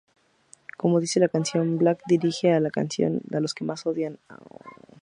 Como dice la canción, Black dirige la canción a los que odian aún más.